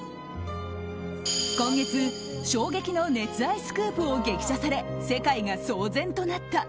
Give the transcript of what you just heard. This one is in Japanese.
今月、衝撃の熱愛スクープを激写され世界が騒然となった。